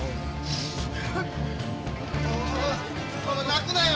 泣くなよ！